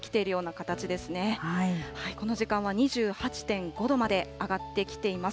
この時間は２８．５度まで上がってきています。